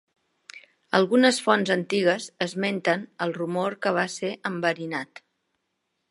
Algunes fonts antigues esmenten el rumor que va ser enverinat.